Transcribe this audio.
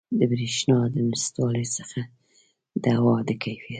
د بریښنا د نشتوالي څخه د هوا د کیفیت